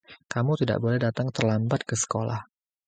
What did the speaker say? Kamu tidak boleh datang terlambat ke sekolah.